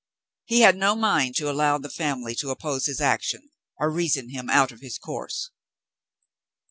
He had no mind to allow the family to oppose his action or reason him out of his course.